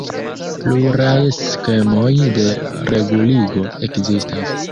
Pluraj skemoj de reguligo ekzistas.